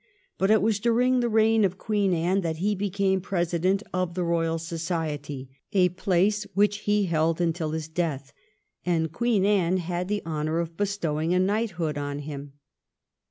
But it was during the reign of Queen Anne that he became president of the Eoyal Society, a place which he held until his death, and Queen Anne had the honour of bestowing a knighthood on him.